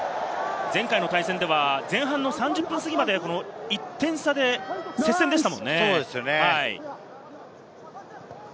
前回の対戦では前半３０分過ぎまで、１点差で接戦でしたものね。